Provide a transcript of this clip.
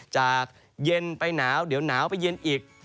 จากเย็นไปหนาวเดี๋ยวหนาวไปเย็นอีก